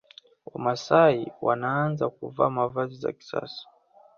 Wamasai wanaanza kuvaa mavazi za kisasa